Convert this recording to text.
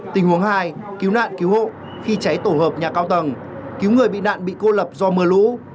tình huống hai cứu nạn cứu hộ khi cháy tổ hợp nhà cao tầng cứu người bị nạn bị cô lập do mưa lũ